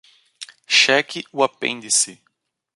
Cheque o apêndice